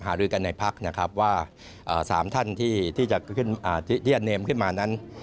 หรือกันในพักนะครับว่า๓ท่านที่จะเนมขึ้นมานั้น